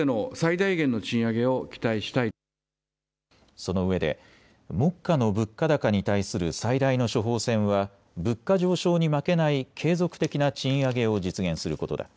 そのうえで、目下の物価高に対する最大の処方箋は物価上昇に負けない継続的な賃上げを実現することだ。